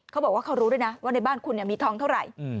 เขาบอกว่าเขารู้ด้วยนะว่าในบ้านคุณมีทองเท่าไหร่